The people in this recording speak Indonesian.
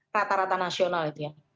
rata rata nasional itu ya